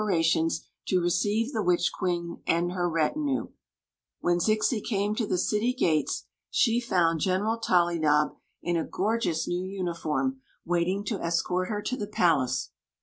arations to receive the witch queen and her retinue. When Zixi came to the city gates she found Gen Queen Zixi of Ix; or, the eral Tollydob, in a gorgeous new uniform, waiting to escort her to the palace.